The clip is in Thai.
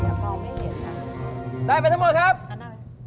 เห็นเลยไม่อยากเห็น